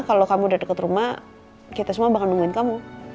kalau kamu udah deket rumah kita semua bakal nungguin kamu